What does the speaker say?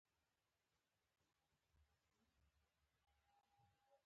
اړمنو وګړو ته ووېشل شي.